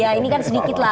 ya ini kan sedikit lah